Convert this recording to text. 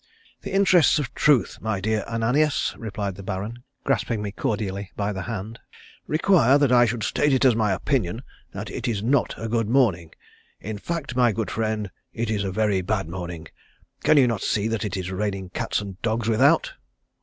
"The interests of truth, my dear Ananias," replied the Baron, grasping me cordially by the hand, "require that I should state it as my opinion that it is not a good morning. In fact, my good friend, it is a very bad morning. Can you not see that it is raining cats and dogs without?"